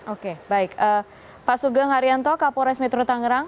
oke baik pak sugeng haryanto kapolres metro tangerang